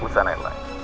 pusat naik lah